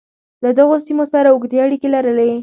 له دغو سیمو سره اوږدې اړیکې لرلې.